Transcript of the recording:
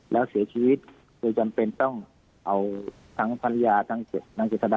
แล้วเสียชีวิตคือต้องไปยังเป็นต้องเอาทั้งภรรยาตั้งเศรษฐธรรมดนางจิตทดานะ